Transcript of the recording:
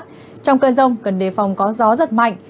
trong cơn rông cần đề phòng có gió giật mạnh